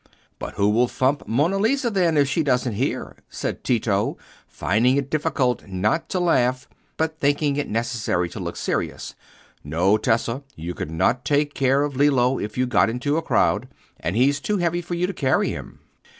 "But who will thump Monna Lisa then, if she doesn't hear?" said Tito, finding it difficult not to laugh, but thinking it necessary to look serious. "No, Tessa, you could not take care of Lillo if you got into a crowd, and he's too heavy for you to carry him."